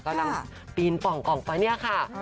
ก็นำปีนป่องกล่องไปนี่ค่ะ